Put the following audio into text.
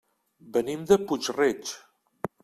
Venim de Puig-reig.